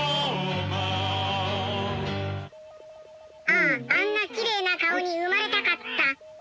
あああんなきれいな顔に生まれたかった。